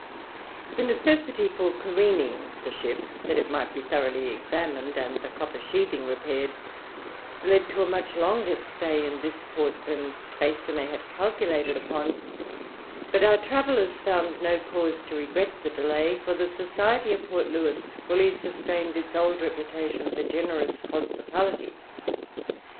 The necessity for careening the ship, that it might be thoroughly examined, and the copper sheathing repaired, led to a much longer stay in this port than Freycinet had calculated upon; but our travellers found no cause to regret the delay, for the society of Port Louis fully sustained its old reputation for generous hospitality.